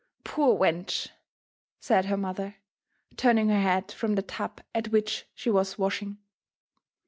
" Poor wench !" said her mother, turning her head from the tub at which she was washing.